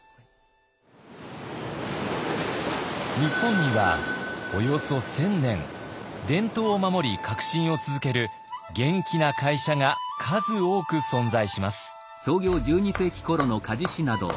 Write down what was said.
日本にはおよそ１，０００年伝統を守り革新を続ける元気な会社が数多く存在します。